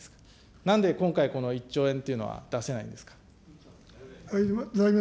なんで今回、この１兆円というのは出せないんですか。